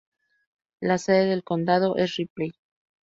La sede del condado es Ripley.